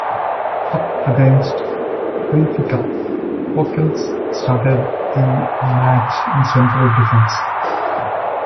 Up against Benfica, Foulkes started the match in central defence.